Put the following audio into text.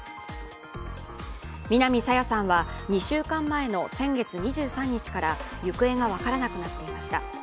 南朝芽さんは２週間前の先月２３日から行方が分からなくなっていました。